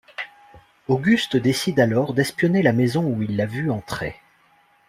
Auguste décide alors d’espionner la maison où il l'a vue entrer.